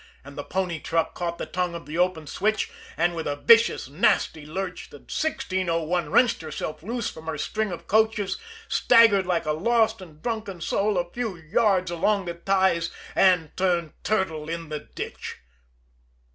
And the pony truck caught the tongue of the open switch, and, with a vicious, nasty lurch, the 1601 wrenched herself loose from her string of coaches, staggered like a lost and drunken soul a few yards along the ties and turned turtle in the ditch.